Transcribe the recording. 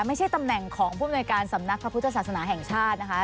ไม่ใช่ตำแหน่งของผู้อำนวยการสำนักพระพุทธศาสนาแห่งชาตินะคะ